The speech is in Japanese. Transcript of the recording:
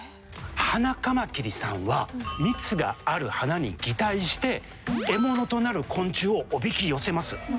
ハナカマキリさんは蜜がある花に擬態して獲物となる昆虫をおびき寄せます。